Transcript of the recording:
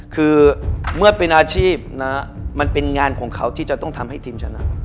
คือเมื่อเป็นอาชีพนะมันเป็นงานของเขาที่จะต้องทำให้ทีมชนะ